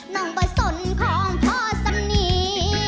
น้องประสนของพ่อสำนี